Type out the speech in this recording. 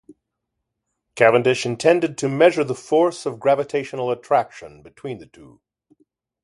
Cavendish intended to measure the force of gravitational attraction between the two.